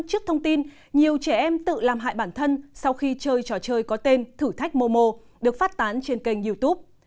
và không ít thông tin nhiều trẻ em tự làm hại bản thân sau khi chơi trò chơi có tên thử thách mô mô được phát tán trên kênh youtube